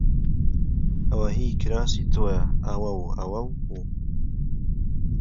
ئەوە هیی کراسی تۆیە! ئەوە و ئەوە و